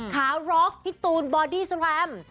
ขาร็อกพี่ตูนบอดี้สแรม